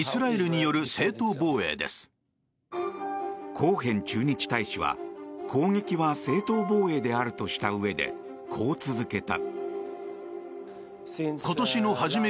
コーヘン駐日大使は、攻撃は正当防衛であるとしたうえでこう続けた。